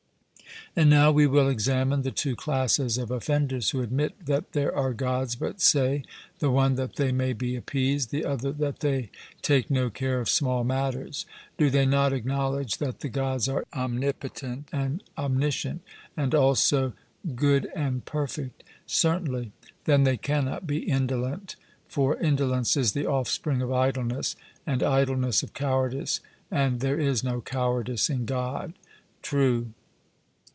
And now we will examine the two classes of offenders who admit that there are Gods, but say, the one that they may be appeased, the other that they take no care of small matters: do they not acknowledge that the Gods are omnipotent and omniscient, and also good and perfect? 'Certainly.' Then they cannot be indolent, for indolence is the offspring of idleness, and idleness of cowardice, and there is no cowardice in God. 'True.'